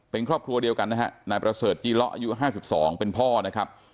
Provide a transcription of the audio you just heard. เป็นครอบครัวเดียวกันนะฮะนายประเสริฐจีเลาะอายุ๕๒เป็นพ่อนะครับ